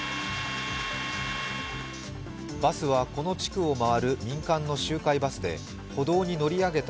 バスはこの地区を回る民間の周回バスで歩道に乗り上げた